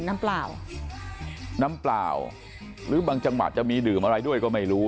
เปล่าน้ำเปล่าหรือบางจังหวะจะมีดื่มอะไรด้วยก็ไม่รู้